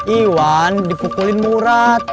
iwan dipukulin murad